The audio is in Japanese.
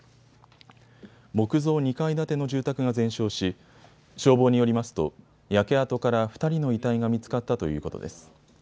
木造２階建ての住宅が全焼し消防によりますと焼け跡から２人の遺体が見つかったということです。